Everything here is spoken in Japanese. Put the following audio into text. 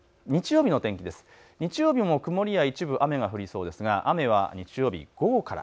日曜日も曇りや一部、雨が降りそうですが雨は日曜日、午後から。